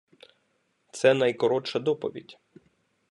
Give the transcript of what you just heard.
Це найкоротша доповідь.